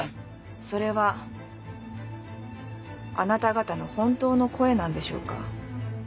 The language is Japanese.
それはあなた方の本当の声なんでしょうか？